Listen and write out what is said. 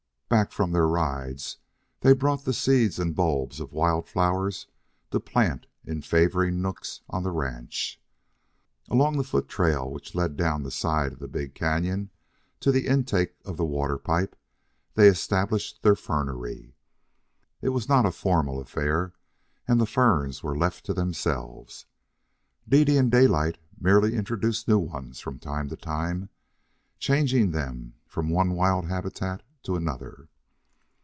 Back from their rides they brought the seeds and bulbs of wild flowers to plant in favoring nooks on the ranch. Along the foot trail which led down the side of the big canon to the intake of the water pipe, they established their fernery. It was not a formal affair, and the ferns were left to themselves. Dede and Daylight merely introduced new ones from time to time, changing them from one wild habitat to another.